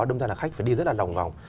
đâm ra là khách phải đi rất là lòng vòng